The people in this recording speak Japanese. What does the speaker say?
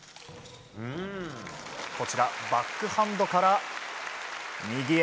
バックハンドから右へ。